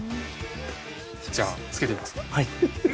じゃあ付けてみますか。